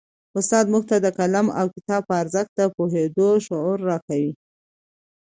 استاد موږ ته د قلم او کتاب په ارزښت د پوهېدو شعور راکوي.